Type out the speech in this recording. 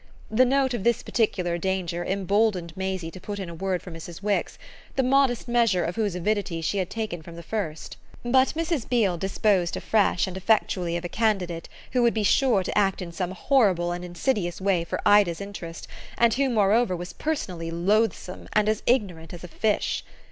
The note of this particular danger emboldened Maisie to put in a word for Mrs. Wix, the modest measure of whose avidity she had taken from the first; but Mrs. Beale disposed afresh and effectually of a candidate who would be sure to act in some horrible and insidious way for Ida's interest and who moreover was personally loathsome and as ignorant as a fish.